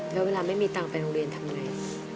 แล้วเวลาไม่มีตังค์ไปโรงเรียนทำไง